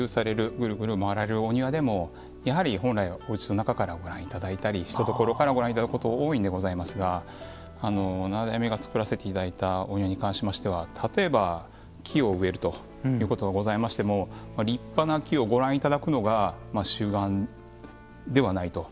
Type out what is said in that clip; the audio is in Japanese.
ぐるぐる回られるお庭でもやはり本来はおうちの中からご覧頂いたりしたところからご覧頂くこと多いんでございますが七代目がつくらせて頂いたお庭に関しましては例えば木を植えるということがございましても立派な木をご覧頂くのが主眼ではないと。